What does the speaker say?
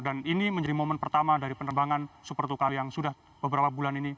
dan ini menjadi momen pertama dari penerbangan super tucano yang sudah beberapa bulan ini